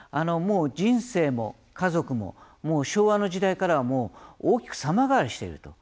人生も家族ももう昭和の時代からは大きく様変わりしていると。